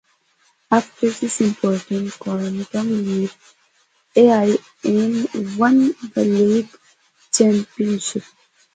After this important quantum leap, Al Ain won the league championship.